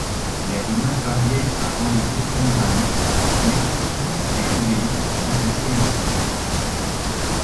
Les Romains parviennent à enlever Panoramix, mais Astérix et Obélix interviennent aussitôt.